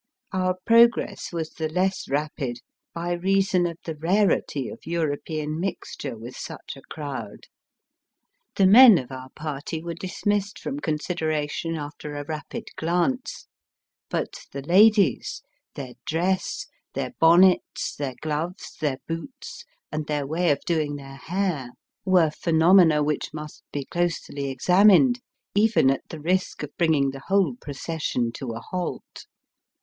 Our progress was the less rapid by reason of the rarity of European mixture with such a crowd. The men of our party were dismissed from consideration after a rapid glance; but the ladies, their dress, their bonnets, their gloves, their boots, and their way of doing their hair were phenomena Digitized by VjOOQIC f6te day at asakusa. 209 which must be closely examined, even at the risk of bringing the whole procession to a halt.